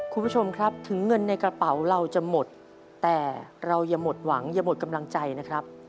คุณผู้ชมครับถึงเงินในกระเป๋าเราจะหมดแต่เราอย่าหมดหวังอย่าหมดกำลังใจนะครับ